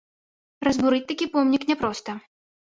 Разбурыць такі помнік няпроста.